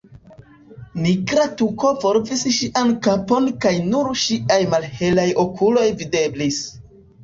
Nigra tuko volvis ŝian kapon kaj nur ŝiaj malhelaj okuloj videblis.